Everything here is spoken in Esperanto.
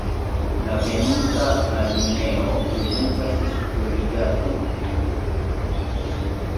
La venonta alineo prezentas superrigardon.